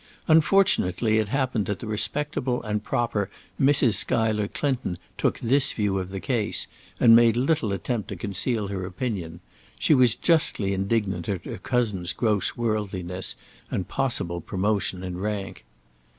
Unfortunately it happened that the respectable and proper Mrs. Schuyler Clinton took this view of the case, and made little attempt to conceal her opinion. She was justly indignant at her cousin's gross worldliness, and possible promotion in rank.